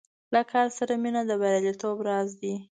له کار سره مینه د بریالیتوب راز دی.